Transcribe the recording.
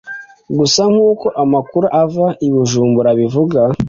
Gusa nk’uko amakuru ava i Bujumbura abivuga